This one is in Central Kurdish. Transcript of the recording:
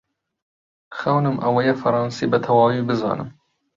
خەونم ئەوەیە فەڕەنسی بەتەواوی بزانم.